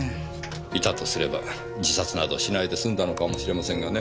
いたとすれば自殺などしないですんだのかもしれませんがねぇ。